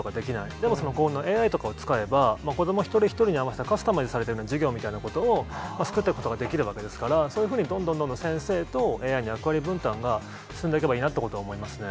でも今度、ＡＩとかを使えば、子ども一人一人に合わせてカスタマイズする授業みたいなことを作っていくことができるわけですから、そういうふうにどんどんどんどん、先生とＡＩの役割分担が進んでいけばいいなと思いますね。